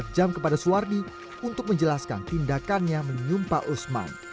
dua puluh empat jam kepada suwardi untuk menjelaskan tindakannya menyumpah usman